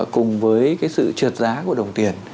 cùng với cái sự trượt giá của đồng tiền